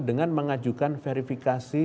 dengan mengajukan verifikasi